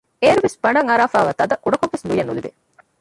އޭރުވެސް ބަނޑަށް އަރާފައިވާ ތަދަށް ކުޑަކޮށްވެސް ލުޔެއް ނުލިބޭ